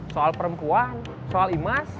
soal perempuan soal imas